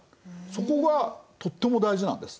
そこがとっても大事なんです。